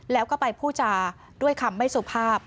แล้วก็ไปพูดจาด้วยคำไม่สุภาพ